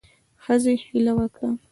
ښځې هیله وکړه